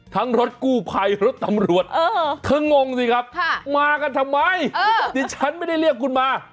รถกู้ภัยรถตำรวจเธองงสิครับมากันทำไมดิฉันไม่ได้เรียกคุณมา